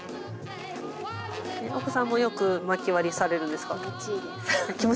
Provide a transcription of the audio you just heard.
奥さんもよく薪割りされるんですか？